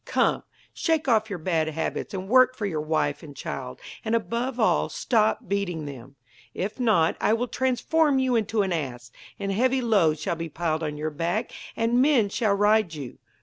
Come, shake off your bad habits, and work for your wife and child, and above all, stop beating them. If not I will transform you into an ass, and heavy loads shall be piled on your back, and men shall ride you.